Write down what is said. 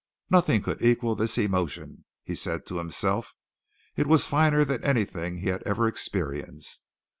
Nothing could equal this emotion, he said to himself. It was finer than anything he had ever experienced.